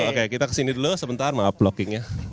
oke kita kesini dulu sebentar maaf blockingnya